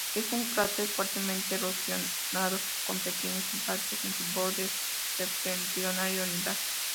Es un cráter fuertemente erosionado con pequeños impactos en su borde septentrional y oriental.